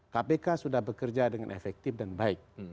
kpk sudah bekerja dengan efektif dan baik